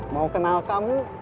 mau kenal kamu